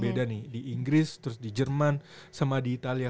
beda nih di inggris terus di jerman sama di italia